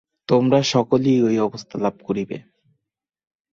তোমরা সকলেই ঐ অবস্থা লাভ করিবে।